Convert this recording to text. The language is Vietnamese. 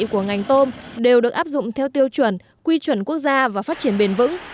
của ngành tôm đều được áp dụng theo tiêu chuẩn quy chuẩn quốc gia và phát triển bền vững